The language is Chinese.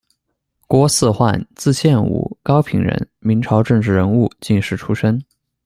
郭嗣焕，字宪吾，，高平人，明朝政治人物、进士出身。